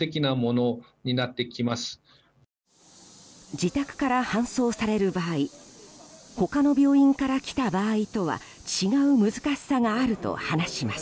自宅から搬送される場合他の病院から来た場合とは違う難しさがあると話します。